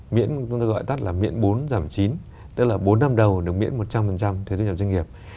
miễn chúng tôi gọi tắt là miễn bốn giảm chín tức là bốn năm đầu được miễn một trăm linh thuế thu nhập doanh nghiệp